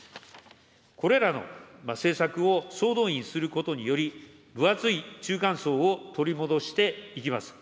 これらの政策を総動員することにより、分厚い中間層を取り戻していきます。